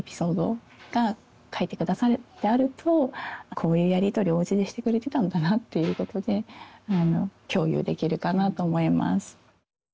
こういうやりとりおうちでしてくれてたんだなっていうことで共有できるかなと思います。